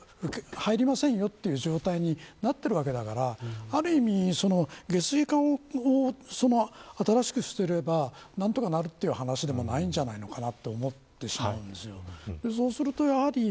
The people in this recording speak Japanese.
ところが、それでも雄物川はこれ以上の水が入りませんよという状態になっているわけだからある意味、下水管を新しくすれば何とかなるという話ではないんじゃないのかなと思ってしまうんですよ。